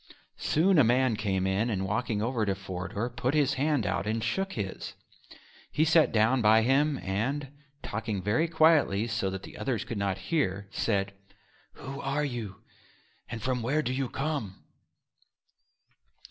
Soon a man came in, and walking over to Forder put his hand out and shook his. He sat down by him and, talking very quietly so that the others should not hear, said: "Who are you, and from where do you come?"